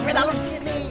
ini sepeda lu disini